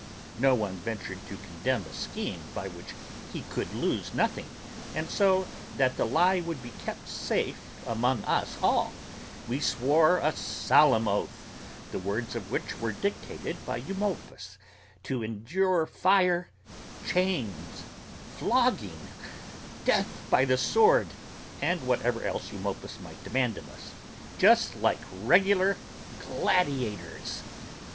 No one ventured to condemn a scheme by which he could lose nothing, and so, that the lie would be kept safe among us all, we swore a solemn oath, the words of which were dictated by Eumolpus, to endure fire, chains, flogging, death by the sword, and whatever else Eumolpus might demand of us, just like regular gladiators!